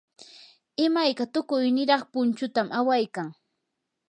imayka tukuy niraq punchutam awaykan.